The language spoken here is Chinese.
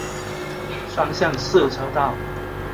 双向四车道。